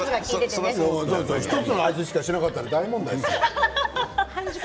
１つの味しか、しなかったら大問題でしょ。